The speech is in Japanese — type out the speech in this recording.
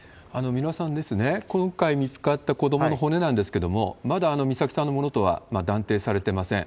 三浦さん、今回見つかった子どもの骨なんですけれども、まだ美咲さんのものとは断定されてません。